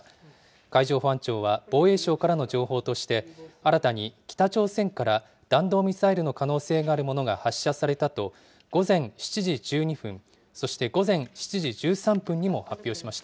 海上保安庁は、防衛省からの情報として新たに北朝鮮から弾道ミサイルの可能性があるものが発射されたと、午前７時１２分、そして午前７時１３分にも発表しました。